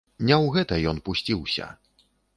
Не ў гэта ён пусціўся.